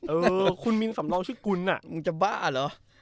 เออคุณมีสำรองชื่อคุณมึงจะบ้าเหรอ